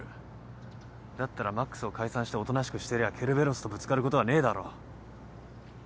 だったら魔苦須を解散しておとなしくしてりゃケルベロスとぶつかることはねえだろ。